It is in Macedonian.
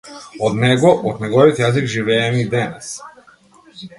Од него, од неговиот јазик живееме и денес.